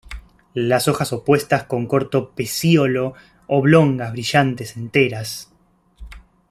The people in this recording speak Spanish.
Las hojas opuestas con corto pecíolo, oblongas, brillantes, enteras.